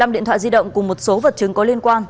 một mươi điện thoại di động cùng một số vật chứng có liên quan